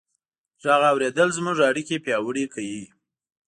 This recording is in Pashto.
غږ اورېدل زموږ اړیکې پیاوړې کوي.